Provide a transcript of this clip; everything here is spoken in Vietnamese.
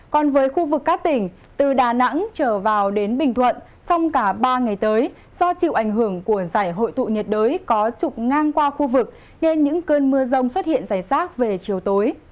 còn với khu vực các tỉnh từ đà nẵng trở vào đến bình thuận trong cả ba ngày tới do chịu ảnh hưởng của giải hội tụ nhiệt đới có trục ngang qua khu vực nên những cơn mưa rông xuất hiện rải rác về chiều tối